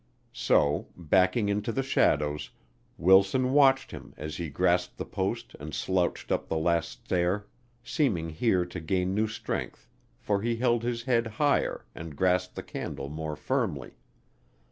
So, backing into the shadows, Wilson watched him as he grasped the post and slouched up the last stair, seeming here to gain new strength for he held his head higher and grasped the candle more firmly.